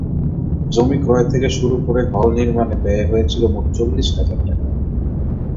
জমি ক্রয় থেকে শুরু করে হল নির্মাণে ব্যয় হয়েছিল মোট চল্লিশ হাজার টাকা।